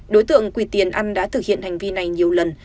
đối tượng quỳ tiền ăn đã thực hiện hành vi này nhiều lần